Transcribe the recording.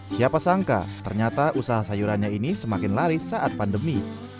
siapa sangka ternyata usaha sayurannya ini semakin laris saat pandemi